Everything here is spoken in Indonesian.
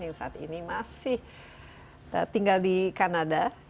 yang saat ini masih tinggal di kanada